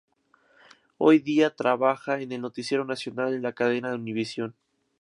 Hoy día, trabaja en el Noticiero Nacional de la cadena Univisión.